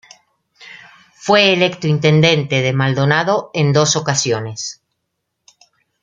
Fue electo Intendente de Maldonado en dos ocasiones.